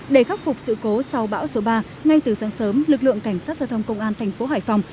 để khắc phục sự cố sau bão số ba ngay từ sáng sớm lực lượng cảnh sát giao thông công an thành phố hải phòng